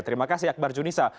terima kasih akbar junissa